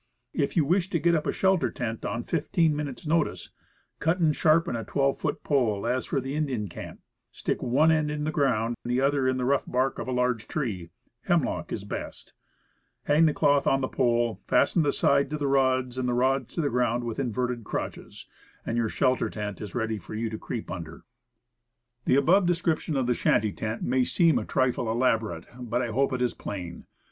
If you wish to get up a shelter tent on fifteen minutes' notice, cut and sharpen a twelve foot pole as for the Indian camp, stick one end in the ground, the other in the rough bark of a large tree hemlock is best hang the cloth on the pole, fasten the sides to rods, and the rods to the ground with inverted crotches, and your shelter tent is ready for you to creep under. The above description of the shanty tent may seem a trifle elaborate, but I hope it is plain.